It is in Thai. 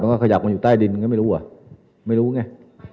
มันก็ขยับมันอยู่ใต้ดินมันก็ไม่รู้อะไม่รู้ไง